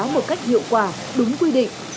một cách hiệu quả đúng quy định